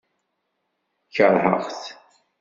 Keṛheɣ-t.